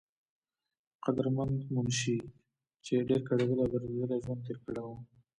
قدرمند منشي، چې ډېر کړېدلے او درديدلے ژوند تير کړے وو